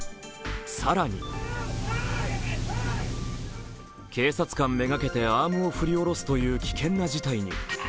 更に、警察官めがけてアームを振りおろすという危険な事態に。